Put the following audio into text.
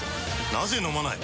なぜ飲まない？